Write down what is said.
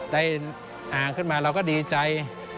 อ่างขึ้นมาเราก็ดีใจ